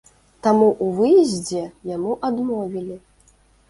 Таму ў выездзе яму адмовілі.